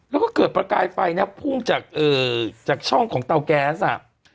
แล้วก็เกิดประกายไฟนะพุ่งจากช่องของเตาแก๊สอ่ะ